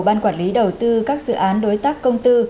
ban quản lý đầu tư các dự án đối tác công tư